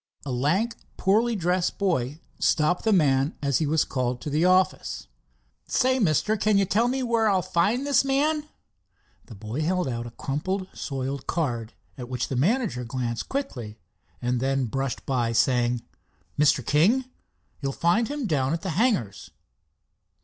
A lank poorly dressed boy stopped the man as he was called to the office. "Say, Mister, can you tell me where I'll find this man?" The boy held out a crumpled soiled card, at which the manager glanced quickly and then brushed by, saying: "Mr. King? You'll find him down at the hangars."